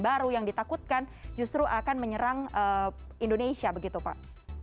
baru yang ditakutkan justru akan menyerang indonesia begitu pak